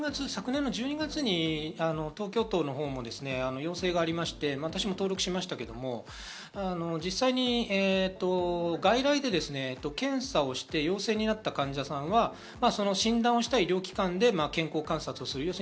昨年の１２月に東京都のほうも要請がありまして、私も登録しましたけど、実際に外来で検査をして陽性になった患者さんは診断した医療機関で健康観察をする。